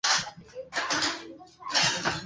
hutokea baada ya matumizi ya muda mrefu ya kokeni